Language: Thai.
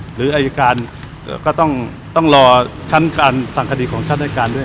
หรืออายการก็ต้องรอชั้นการสั่งคดีของชั้นอายการด้วย